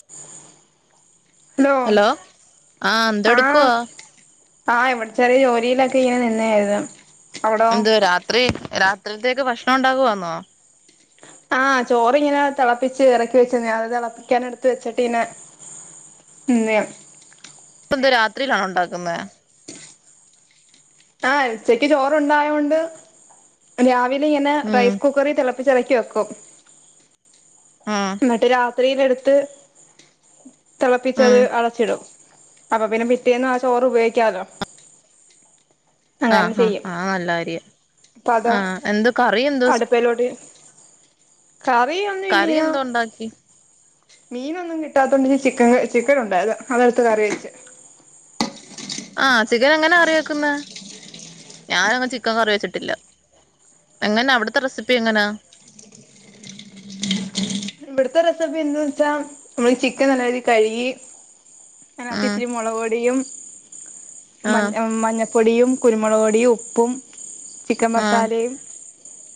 [unintelligible] Hello ആഹ് ആഹ് എന്തെടുക്കുവാ ആഹ് ഇവിടെ ചെറിയ ജോലിയിലൊക്കെ ഇങ്ങനെ നിന്നായിരുന്നു അവിടോ എന്ത രാത്രി രാത്രിത്തേക്ക് ഭക്ഷണം ഉണ്ടാകുവാന്നോ ആഹ് ചോറിങ്ങനെ തിളപ്പിച്ച് ഇറക്കി വെച്ച ന അത് തിളപ്പിക്കാൻ എടുത്ത് വെച്ചിട്ടനെ പിന്നെ ഇപ്പന്ത് രാത്രിയിലാണ് ഉണ്ടാക്കുന്നത് ആ ഉച്ചക്ക് ചോറുണ്ടായതോണ്ട് രാവിലെ ഇങ്ങനെ ഉം റൈസ് കുക്കറി തിള പ്പിച് ഇറക്കി വെക്കും ആഹ് എന്നിട്ട് രാത്രിയില എടുത്ത് തിളപ്പിച്ചത് ഉം അടച്ചിടും അപ്പൊ പിന്നെ പിറ്റേന്ന ആ ചോറ് ഉപയോഗിക്കാലോ അങ്ങനെ ആഹ് ആഹ് ചെയ്യും ആഹ് നല്ല കാര്യം അപ്പൊ അതാ ആഹ് എന്ത് കറി എന്തോ അടുപ്പയിലോട്ട് കറിയൊന്നും കറി ഇല്ലെന [unintelligible] മീന ഒന്നും കിട്ടാത്തണ്ട് ചൻ ചിക്കൻ ഉണ്ടായത് അതെടുത്ത് കറി വെച്ച് ആ ചിക്കൻ എങ്ങനെ അറിയാക്കുന്ന ഞാനങ്ങനെ ചിക്കൻ കറി വെച്ചിട്ടില്ല എങ്ങനാ അവിടുത്തെ റെസിപ്പി എങ്ങനാ ഇവിടത്തെ റെസിപ്പി എന്ത വെച്ചാ നമ്മള് ചിക്കൻ നല്ല രീതിൽ കഴുകി അതിനകത്ത് ഉം ഇച്ചിരി മുളക്കൊടിയും മ ആഹ് മഞ്ഞ പൊടിയും കുരുമുളക് പൊടിയും ഉപ്പും ചിക്കൻ ആഹ് മസാലയും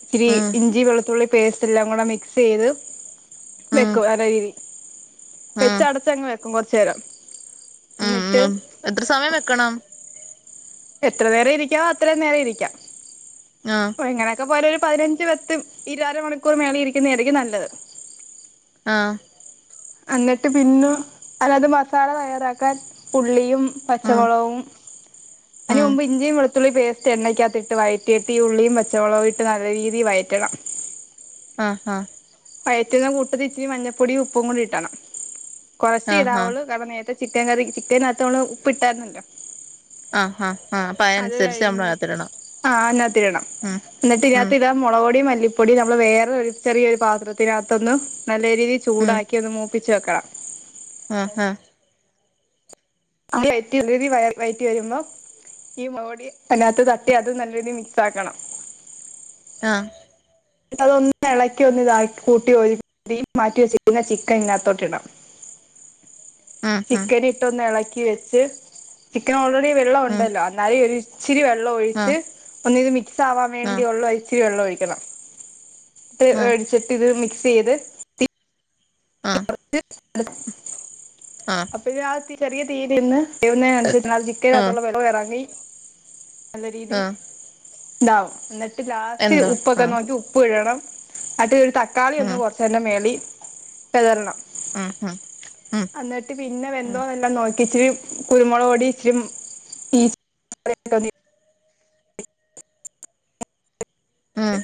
ഇത്തിരി ഉം ഇഞ്ചി വെളുത്തുള്ളി പേസ്റ്റ് എല്ലാം കൂടെ മിക്സ് ചെയ്ത് ഉം വെക്കും നല്ല രീതിൽ ഉം പെച്ച അടച്ചങ്ങ് വെക്കും കുറച്ചുരം ഉം ഉ എത്ര സമയം വെക്കണം എത്ര നേരം ഇരിക്കാ അത്രയും നേരം ഇരിക്കാം ആഹ് ഓ ഇങ്ങനെയൊക്കെ പോല ഒരു പതിനഞ്ച് പത്ത് ഇരുര മണിക്കൂർ മേളെ ഇരിക്കുന്ന ആയിരിക്കും നല്ലത് ആഹ എന്നിട്ട് പിന്നെ അല്ലത് മസാല തയ്യാറാക്കാൻ പുള്ളിയും ഉം പച്ചമുളവും അതിന് ഉം മുമ്പ് ഇഞ്ചയും വെളുത്തുള്ളി ത്തുള്ളി പേസ്റ്റ് എണ്ണക്കകത്തിട്ട് വയറ്റിയിട്ട് ഈ ഉള്ളിയും പച്ചമുളവും ഇട്ട് നല്ല രീതിയി വയറ്റണം ആഹ ആഹ് പയറ്റന്ന് കൂട്ടത്തി ഇച്ചിരി മഞ്ഞൾപ്പൊടും ഉപ്പും കൂടി കട്ടണം കൊറച്ച് ആഹ് ആഹ് ഇടാവുള്ളൂ കാരണം നേരത്തെ ചിക്കൻ കറി ചിക്കനകതൊള ഉപ്പ് ഇട്ടായിന്നല്ലോ ആഹ അത് കഴിഞ്ഞിട്ട് ആ അതിന്ടകത് ഇടണം ഉം എന്നിട്ട് ഉം ഇതിനകത്ത് ഇട മുളകുപൊടി പൊടി നമ്മൾ വേറെ ഒരു ചെറിയ ഒരു പാത്രത്തിനത്തിന് നല്ല രീതിയിൽ ചൂടാക്കി ഒന്നു മൂ പ്പിച്ചു വെക്കണം ആഹ [unintelligible] വയറ്റി വരുമ്പോ ഈ മോടി അതിനത്ത് തട്ടി അത് നല്ല രീതി മിക്സ് ആക്കണം ആ അതൊന്ന് ഇളക്കി ഒന്ന് ഇതാക്കി കൂട്ടി ഒഴി മാറ്റി വെച്ചുന്ന ചിക്കൻ ഇനാത്തോട്ട ഇടണം [inaudible] ആഹ് ആഹ് ചിക്കൻ ഇട്ടൊന്ന് ഇളക്കി വെച്ച് ചിക്കൻ ഓൾ വെള്ളം ആഹ് ഉം ഉണ്ടല്ലോ എന്നാലൊരു ഇച്ചിരി വെള്ളം ഒഴിച്ച് ആഹ് ഒന്ന് ഇത് മിക്സ് ആവാൻ ആഹ് വേണ്ടിയള്ള ഇച്ചിരി വെള്ളം ഒഴിക്കണം ഇട്ട് ആഹ് മേടിച്ചിട്ട് ഇത് മിക്സ് ചെയ്ത് ആഹ് ആഹ് [unintelligible] അപ്പൊ ഇത് ആ ചെറിയ തീതിന്ന് ചെയുന്നനുസരിച് അതിനകത് ആഹ് ചിക്കൻഅകത്തുളെ വെള്ളോ ഇറങ്ങി [unintelligible] നല്ല രീതി ആഹ് ഇതാവും എന്നിട്ട് ലാസ്റ്റ് എന്തോ ഉപ്പൊക്കെ ആഹ് നോക്കി ഉപ്പ് ഇടണം അറ്റ് ഒരു തക്കാളി ഒന്ന് ഉം കൊറച്ചണം മേളി വിതറണം അഹ് അഹ് എന്നിട്ട് പിന്നെ വെന്തോന്നല്ലാം നോ ഇച്ചിരി കുരുമുളക് പൊടി ഇച്ചരി ഈ [unintelligible] ഉം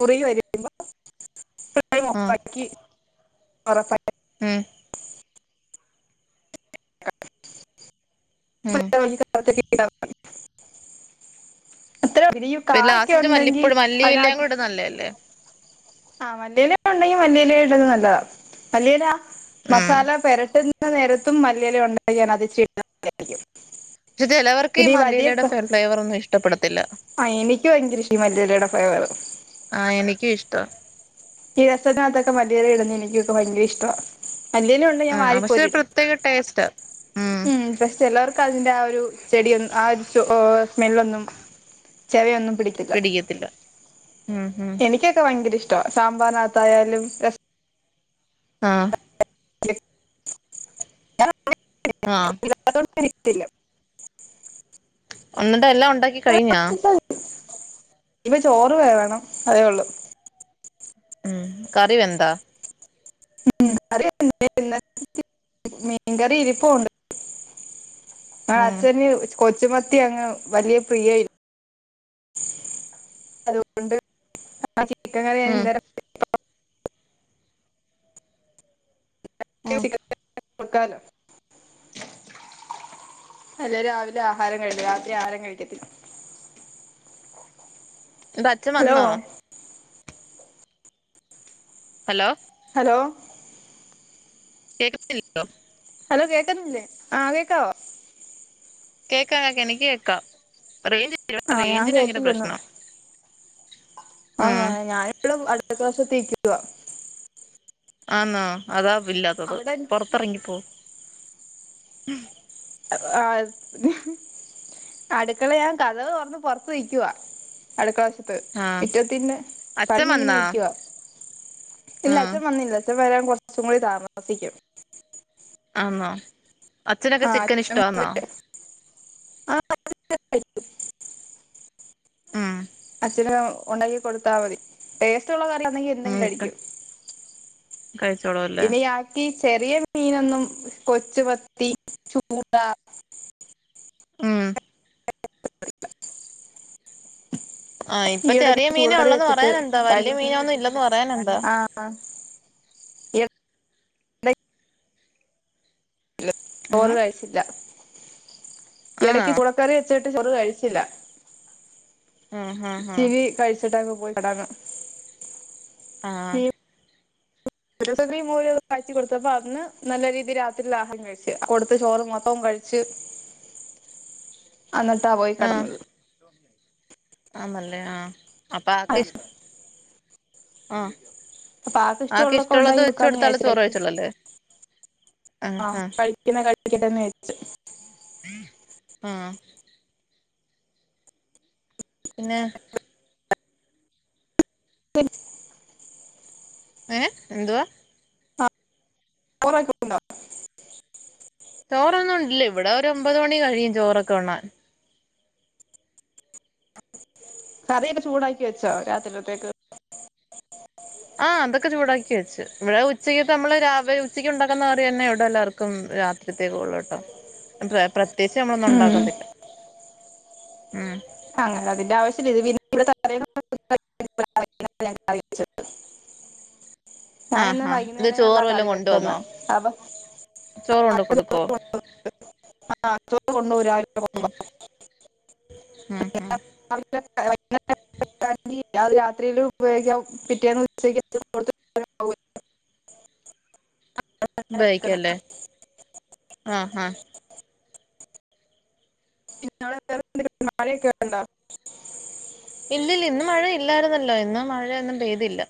കുറി വരുമ്പോ ഫുൾടൈം ഓഫാക്കി ഉറപ്പാലെ ഏഹ് [unintelligible] [inaudible] ഉം അത്രഉ ഇ [unintelligible] പിന്നെ കാലൊക്കെ ലാസ്റ്റില് ഉണ്ടെങ്കി മല്ലിപ്പൊടി മല്ലിയിലയും അതിനത്ത് കൂടെ നല്ലയല്ലേ ആ മല്ലിയില ഉണ്ടെങ്കിൽ മല്ലിയില ഇടുന്നത് നല്ലതാ മല്ലിയില ഉം മസാല പരട്ട എ നേരത്തും മല്ലിയില ഉണ്ടാക്കിയാൻ അത് [unintelligible] പക്ഷെ ചിലവർക്ക് ഈ മല്ലീലയുടെ ക- ഫെ ഫ്ലേവർ ഒന്നും ഇഷ്ടപ്പെടത്തില്ല ആ എനിക്ക് ഭയങ്കരഷി ഈ മല്ലിഇലയുടെ ഫ്‌ളേവർ ആ എനിക്ക ഇഷ്ടാ ഈ രസത്തിനാത്തൊക്കെ മല്ലി ഇല ഇടന്ന് എനിക്കൊക്കെ ഭയങ്കര ഇഷ്ടവാ മല്ലിയിലണ്ടെ ഞാൻ ആഹ് പക്ഷെ ഒരു വാരിക്കോരിടും പ്രത്യേക [unintelligible] ഉം പക്ഷെ എല്ലാവർക്കും അതിന്റെ ആ ഒരു ചെടിയ ഒന്ന് ആ ഒരു സ്മെല്ലൊന്നും ചെവയൊന്നും പിടിക്കില്ല പിടിക്കത്തില്ല ഉം ഉം എനിക്കൊക്കെ ഭയങ്കര ഇഷ് ട്ട സാമ്പാറിനാത്ത് ആയാലും അഹ് [unintelligible] അഹ് യ് ത്തില എന്നിട്ട് എല്ലാം ഉണ്ടാക്കി കഴിഞ്ഞാ ഇപ്പൊ ചോറ് വേവണം അതേ ഉള്ളൂ ഉം കറി വെന്താ ഉം കറി എന്തെ ഇന്നലത്തെ മീൻകറി ഇരിപ്പോണ്ട് അ ഉം അച്ഛന് കൊച്ചുമത്തി അങ്ങ് വലിയ പ്രിയ ഇ അതുകൊണ്ട് ആ ചീക്കൻ കറി ഉം ഇന്നല ഓഹ് [unintelligible] [unintelligible] അല്ലേല് രാവിലെ ആഹാരം കഴിക്കു രാത്രി ആഹാരം കഴിക്കത്തില്ല [inaudible] ട്ട് അച്ചൻ ഹലോ വന്നോ ഹലോ ഹലോ കേൾക്കുന്നില്ലിയോ ഹലോ കേക്കന്നില്ലേ ആ കേക്കാവോ കേക്കാം കേക്ക എനിക്ക് കേക്കാം റേഞ്ച് [unintelligible] ആ ഞാൻ റേഞ്ചിന് ഭയങ്കര പ്രശ്നം അന്നോ ഞാൻ ഇപ്പളും അടുക്കള വശത്തു നിക്കാ [unintelligible] ആന്നാ അതാ ഇല്ലാത്തത് അവിടെ പുൊറത്തിറങ്ങിപ്പോ ആഹ് [unintelligible] അടുക്കള ഞാൻ കഥവ് കുറന്ന് പുറത്ത്ു നിയ്ക്കവാ അടുക്കള [unintelligible] ആഹ് വിറ്റത്തിന്റെ പൽ അച്ഛൻ മെ ഇങ്ങനെ വന്നാ നക്കവാ ഇല്ല ഉം അച്ഛൻ വന്നില്ല അച്ചൻ വരാൻ കുറച് കൂടി താമസിക്കും ആന്നോ അച്ഛനക്ക ആ ചിക്കൻ അച്ഛൻ ഇഷ്ടന്നോ ആ [unintelligible] മ്. ഇത്ങ്ങനെ ഉണ്ടാക്കി കൊടുത്താൽ മതി ടേസ്റ്റുള്ള കറാന്നെങ്കിൽ എല്ലും കഴിക്കു കഴിച്ചോളല്ലേ. ചെറിയ മീനൊന്നും കൊച്ചുവത്തി ചൂട. ഉം [unintelligible] ആ ഇപ്പൊ ഈയിടക്ക് ചെറിയ മീന ചൂടക്കറി ഉള്ളന്ന് വെച്ചിട്ട് പറയാനെന്തോ കഴി വലിയ മീനൊന്നും ഇല്ലന്ന് പറയാനന്തോ. യെപ്. യെപ് ഓള് ഉം കഴിച്ച്ല്യ ഇടക്ക് ആണോ ചുടക്കറി വെച്ചിട്ട് ചൊറു കഴിച്ചില്ല ആഹ് ആഹ് ഇഴി ആഹ് കഴിച്ചിട്ടങ്ങ് പോയി ആ ദൃടം ഗി മു കൽക്കി കൊടുത്തപ്പോ അതിന്ന് നല്ല രീതിൽ രാത്രിൽ ആഹം കഴിച്ച് കൊടുത്ത് ചോറ് മൊത്തവും കഴ ഇച് [inaudible] അന്നിട്ടാ പോയി കടന്നത്. ആമല്ലേ ആ അപ്പ കിഷ് ആ അപ്പൊ ആൾക്ക് ഇഷ്ടമുള്ളതൊക്കെ ആക്കിഷ്ടള്ളത് ഉണ്ടാക്കി കൊടുക്കാന്ന് വെച്ചോട്ത്താൽ ആള് ചോറ് കഴിച്ചള്ളല്ലേ? ആ കഴിക്കിനെ കഴിക്കട്ടെ എന്നെച്ച്. ആ പിന്നേ [unintelligible] ഏ എന്തുവാ? [unintelligible] ചോറൊന്നും ഇണ്ടില്ല ഇവിടെ ഒ ഒരു ഒമ്പത് മണി കഴിയും ചോറൊക്കെ ഉണ്ണാൻ കറിയൊക്കെ ചൂടാക്കി വെച്ചോ രാത്രിഴ്ത്തേക്ക് ആ അതൊക്കെ ചൂടാക്കി വെച്ച് ഇവിടെ ഉച്ചയ്ക്ക് നമ്മള് രാവ് ഉച്ചയ്ക്ക് ഉണ്ടാക്കുന്ന അറിയന്നെ ഇവിടെ എല്ലാവർക്കും ഇവേ രാത്രിതേകൊള്ളൂട്ടോ [unintelligible] തീർച്ചെന്ന നൊന്നും ഉം ഉണ്ടാക്കത്തില്ല ഉം അങ്ങനെ അതിന്റെ ആവശ്യ ഇത് [unintelligible] [unintelligible] ആഹ് ഞാനിന്ന് ആഹ് ഇത് വൈകുന്നേരള്ള ചോറ് വല്ലോം കറി വെക്കുന്ന കൊണ്ടുവന്നോ അബോ [unintelligible] [unintelligible] ചോറ് കൊണ്ട് കൊടുക്കോ ഉം ഉം ഉം അത് രാത്രീലും ഉപയോഗിക്ക പിറ്റേന്ന് ഉച്ചക്ക് [unintelligible] ആവല്ലോ വെക്കണം ബൈക്കല്ലേ ആ ഹ പിന്ന വേറെ എന്തേലും കേറണ്ട ഇല്ലല്ല ഇന്ന് മഴ ഇല്ലാര്ന്നല്ലോ. ഇന്ന് മഴയൊന്നും പെയ്തില്ല.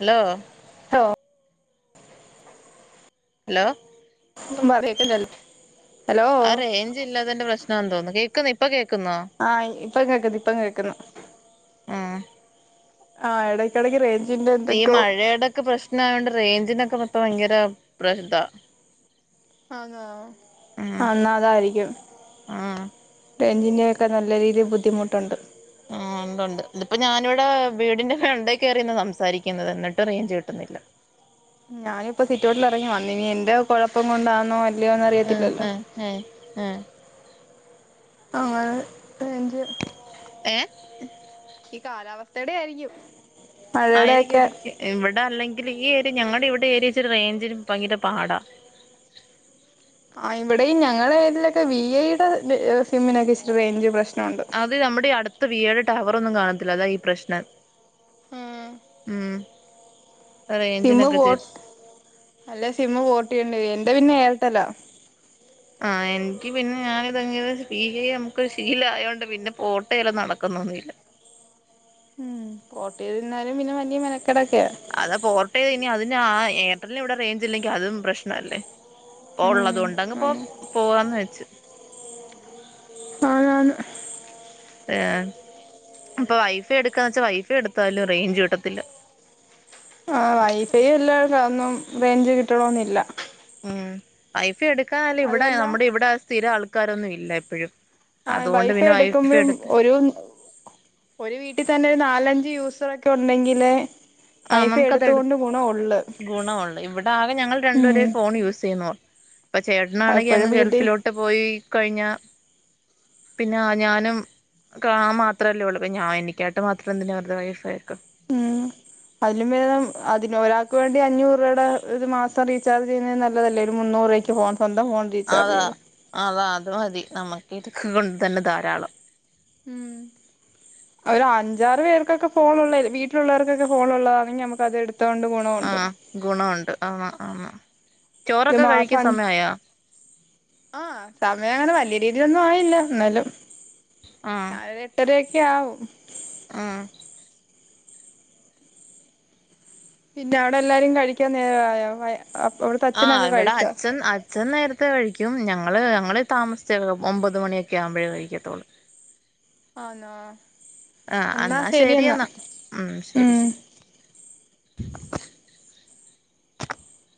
ഹലോ ലോ ഹലോ ഒന്നും പറയത്തില്ലല്. ആറേഞ്ച് ഇല്ലാതേന്റെ പ്രശ്നാ തോന്നു കേക്ക്‌ന്ന് ഇപ്പ കേ ആ ഇ ഇപ്പ കേക്ക്‌ന്ന് ഇപ്പം കേക്ക്‌ന്ന് ഉം ആഹ് എടക്കെടയ്ക്ക് രേൻ ഈ മഴേടെക്കെ പ്രശ്നായോണ്ട് റേഞ്ചിനൊക്കെ പ്പ ഭയങ്കര പ്രശ്താ ആന്നോ ഉം ന്നാ അതായിരിക്കും. ആഹ് രേഞ്ചിന്റെയൊക്കെ നല്ല രീതീൽ ബുദ്ധിമുട്ടുണ്ട്. ആഹ് ഉണ്ടുണ്ട് തിപ്പോ ഞാനിവടെ വീടിന്റെ ഫ്രണ്ടേ കേറിനിന്ന് സംസാരിക്കുന്നത് ന്നട്ടും റെയ്ഞ്ച് കിട്ടുന്നില്ല. ഞാനിപ്പോ സിറ്റഔട്ടിൽ ഇറങ്ങി വന്നീനി എന്റെ കൊഴപ്പം കൊണ്ടാണോ അല്ലയോന്ന് അറിയത്തില്ലല്ലോ. ഏ അങ്ങള് റേഞ്ച് ഏഹ് ഇ കാലാവസ്ഥടെ ആയിരിക്കും ആയിരിക്കും മഴയുടെയൊക്കെ രിക്കും ഇവടെ അല്ലെങ്കിലും ഈ എര് ഞങ്ങടെ ഇവിടെ ഏരിയ റേഞ്ചിന് ഭയങ്കര പാടാ ആഹ് ഇവടേം ഞങ്ങളെ ഏരിലൊക്കെ വി ഐടെ സിമ്മിനൊക്കെ ഇച്ചിരി റേഞ്ച് പ്രശ് അത് നമ്മടെ അട്ത്ത് വി ഐടെ ടവറൊന്നും കാണത്തില്ലാ അതാ ഈ പ്രശ്നം. മ് സിമ്മ് ബോട്ട് അല്ല സി മമ്ബോട്ടയേണ്ടി വരും. എന്റെ പിന്നെ ഏയെർട്ടലാ ആഹ് എൻക്ക് പിന്നെ ഞാനിത് [unintelligible] ഞമ്ക്ക്‌ ശീലായോണ്ട് പിന്നെ പോട്ടെയ്ല് നടക്ക്‌ തോന്നിയില്ല. ഉം പോട്ടെയ്തെര്ന്നാലും പിന്നെ വല്ല്യ മെന അതാ പോർട്ട് ചെയ്തയ്നാ അതിന് ആ എയർടെല്ലിനി വടെ റേഞ്ച് ഇല്ലെങ്കിൽ അതും പ്രശ്നല്ലേ. ഉം പ്പോള്ളത് കൊണ്ടങ്ങ് പോ ആണ് പോവാന്ന് വെച്ച് ആനാണ് ഏ ഇപ്പൊ വൈഫൈ എട്ക്കാന്ന് വെച്ചാ വൈഫൈ എട്ത്താലും റേഞ്ച് കിട്ടത്തില്ല. ആഹ് വൈഫൈ ഇല്ല ഒന്നും റേഞ്ച് കിട്ടണോന്നില്ല. മ് വൈഫൈ എടുക്കാനാല ഇവിടെ അതുമല്ല നമ്മുടെ ഇവിടെ സ്ഥിര ആൾക്കാരൊന്നുല്ല ഇപ്പഴും ആഹ് വൈഫൈ എടുക്കുമ്പഴും ഒരു ഒരു വീട്ടീ തന്നെ ഒരു നാലഞ്ച് യൂസ് സൊക്കെ ഉണ്ടെങ്കിലേ വൈഫൈ എടുത്തുകൊണ്ട് ഗുണൊള്ളു. ഗുണഒള്ള് ഇവടെ ആകെ ഞങ്ങൾ രണ്ട് പേരെ ഉം ഫോൺ യൂസ് ചെയ്യുന്നുള്ളു. അപ്പ ചേട്ടനാണെങ്കിൽ എപ്പോഴും അങ്ങ് വീട്ടിൽ ഗൾഫിലോട്ട് പോയി കഴിഞ്ഞ പിന്നെ ഞാനും കാ മാത്രല്ലേ ഉള്ളൂ ഞാൻ എനിക്കായിട്ട് മാത്രം എന്തിന വെർതെ വൈഫൈക്കെ ഉം അതിലും ബേധം അതിന് ഒരാൾക്ക് വേണ്ടി അഞ്ഞൂറ് രൂപേടെ ഒരു മാസം റീചാർജ് ചെയ്യുന്നതീ നല്ലതല്ലേ ഒര് മുന്നൂ മുന്നൂറ് രൂപയ്ക്ക് ഫോൺ സ്വന്തം ഫോൺ റീചാർജ് അതാ ചെയ്യുന്നേ. അതാ അത് മതി നമ്മക്കിതൊക്കെ കൊണ്ട് തന്നെ ധാരാളം മ് ഒര് അഞ്ചാറ് പേര്ക്കൊക്കെ ഫോൺ ഉള്ള വീട്ടിലുള്ളവർക്കൊക്കെ ഫോൺ ഉള്ളതാണെങ്കി നമ്മക്കത് എട് ആഹ ഗുണൊണ്ട് ആ ആ ഒരു ചോറൊക്കെ കഴിക്ക മാസം അഞ്ച് സമയയായോ? അ അങ്ങനെ വലിയ രീതിയിലൊന്നും ആയില്ല ന്നാലും രാവിലെ എട്ടരൊക്കെ ആവും. ആഹ പിന്നെ അവിടെ എല്ലാരും കഴിക്കാൻ നേരായോ? ആ ഇവടെ അച്ഛൻ അച്ഛൻ നേരത്തെ കഴിക്ക ക്കും ഞങ്ങള് ഞങ്ങള്ൾ താമസിച്ച ഒമ്പത് മണിയൊക്കെ ആവുമ്പോഴേ കഴിക്കത്തോള്ളൂ. ആണോ? ആഹ എന്നാൽ ശരിയന്നാ ഉം ശരി ഉം ശരി. [inaudible]